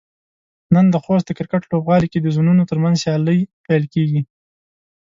نن د خوست د کرکټ لوبغالي کې د زونونو ترمنځ سيالۍ پيل کيږي.